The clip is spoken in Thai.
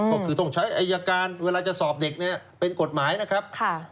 ก็คือต้องใช้อายการเวลาจะสอบเด็กเนี่ยเป็นกฎหมายนะครับ